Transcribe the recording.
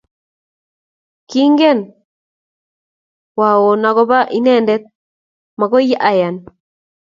kigenwawoon agoba inendet magoi ayan